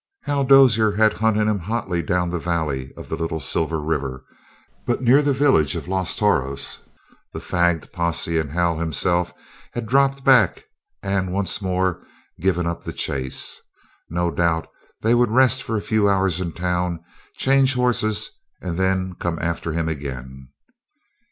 Hal Dozier had hunted him hotly down the valley of the Little Silver River, but near the village of Los Toros the fagged posse and Hal himself had dropped back and once more given up the chase. No doubt they would rest for a few hours in the town, change horses, and then come after him again.